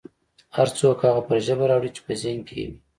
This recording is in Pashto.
هر څوک هغه څه پر ژبه راوړي چې په ذهن کې یې وي